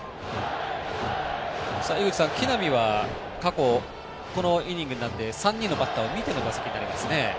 井口さん、木浪は過去、このイニングになって３人のバッターを見ての打席になりますね。